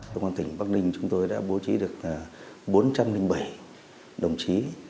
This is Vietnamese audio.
công an tỉnh bắc ninh chúng tôi đã bố trí được bốn trăm linh bảy đồng chí